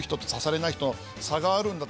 差があるんだ？